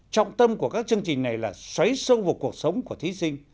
trọng tâm của các chương trình này là xoáy sâu vào cuộc sống của thí sinh